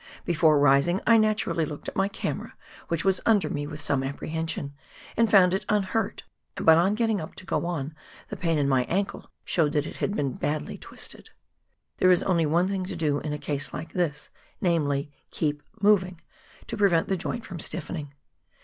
Before rising I naturally looked at my camera, which was under me, with some apprehension, and found it unhurt, but on getting up to go on, the pain in my ankle showed that it had been twisted badly. There is only one thing to do in a case like this, namely, keep moving, to prevent the joint from stiffening.